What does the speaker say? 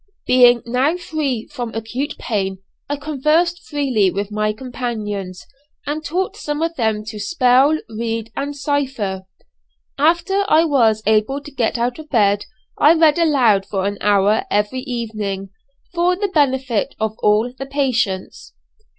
Being now free from acute pain, I conversed freely with my companions, and taught some of them to spell, read, and cypher. After I was able to get out of bed I read aloud for an hour every evening, for the benefit of all the patients.